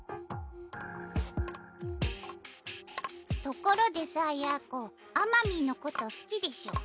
ところでさやーこあまみーのこと好きでしょ。